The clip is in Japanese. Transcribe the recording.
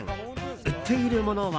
売っているものは。